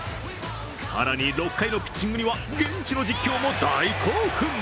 更に６回のピッチングには、現地の実況も大興奮。